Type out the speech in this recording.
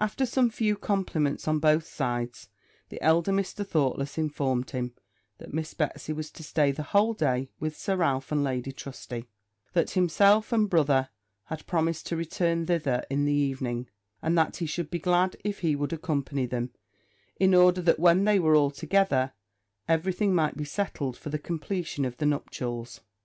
After some few compliments on both sides, the elder Mr. Thoughtless informed him, that Miss Betsy was to stay the whole day with Sir Ralph and Lady Trusty; that himself and brother had promised to return thither in the evening, and that he should be glad if he would accompany them, in order that when they were all together, every thing might be settled for the completion of the nuptials.